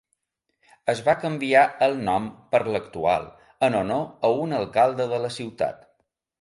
Es va canviar el nom per l'actual en honor a un alcalde de la ciutat.